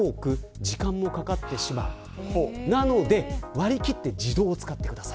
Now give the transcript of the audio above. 割り切って自動を使ってください。